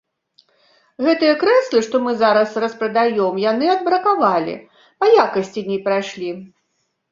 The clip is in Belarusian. Гэтыя крэслы, што мы зараз распрадаём, яны адбракавалі, па якасці не прайшлі.